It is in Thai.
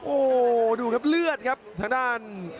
โอ้โหดูครับเลือดครับทางด้าน